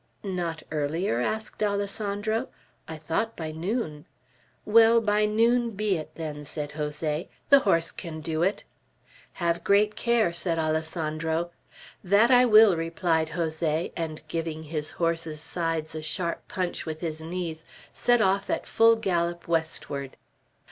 "Not earlier?" asked Alessandro. "I thought by noon." "Well, by noon be it, then," said Jose. "The horse can do it." "Have great care!" said Alessandro. "That will I," replied Jose; and giving his horse's sides a sharp punch with his knees, set off at full gallop westward.